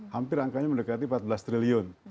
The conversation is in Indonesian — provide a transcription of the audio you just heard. hampir angkanya mendekati empat belas triliun